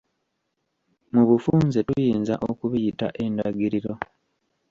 Mu bufunze tuyinza okubiyita endagiriro.